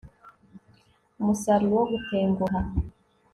Umusaruro wo gutenguha